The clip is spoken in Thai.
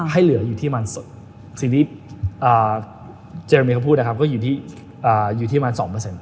ให้เหลืออยู่ที่มัน๒